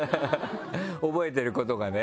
覚えてることがね。